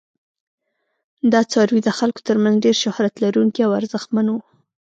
دا څاروي د خلکو تر منځ ډیر شهرت لرونکي او ارزښتمن وو.